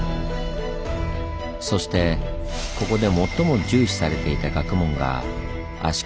そしてここで最も重視されていた学問が足利